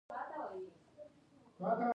هم دوستان او هم دښمنان.